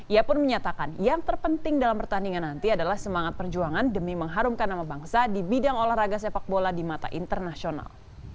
ia pun menyatakan yang terpenting dalam pertandingan nanti adalah semangat perjuangan demi mengharumkan nama bangsa di bidang olahraga sepak bola di mata internasional